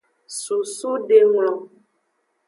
Susudenglo.